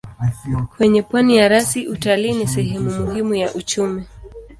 Kwenye pwani ya rasi utalii ni sehemu muhimu ya uchumi.